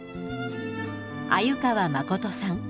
鮎川誠さん。